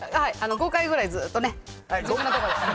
５回ぐらいずーっとね自分のとこで。